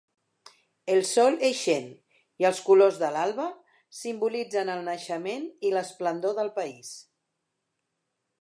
El sol ixent i els colors de l'alba simbolitzen el naixement i l'esplendor del país.